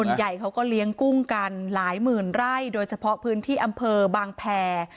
ใหญ่เขาก็เลี้ยงกุ้งกันหลายหมื่นไร่โดยเฉพาะพื้นที่อำเภอบางแพร